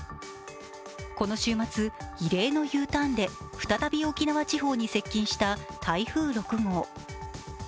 この週末、異例のＵターンで再び沖縄地方に接近した台風６号。